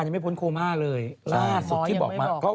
ใช้พี่ตูเลยเขาบอก